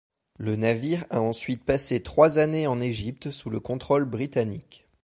Le navire a ensuite passé trois années en Égypte sous le contrôle britannique.